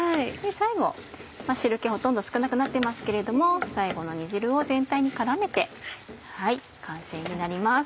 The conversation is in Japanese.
最後汁気ほとんど少なくなってますけれども最後の煮汁を全体に絡めて完成になります。